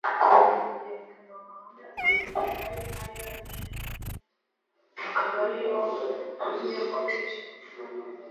Yerekana amahame ategeka ijuru ayo ari yo; akaba ariyo bukuni nyakuri,